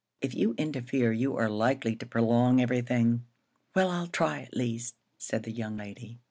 If you interfere, you are likely to prolong everything." "Well, I'll try, at least," said the young lady.